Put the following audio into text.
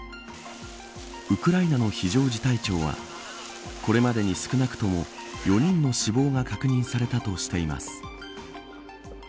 ウクライナの非常事態庁はこれまでに少なくとも４人の死亡が確認されたとしています。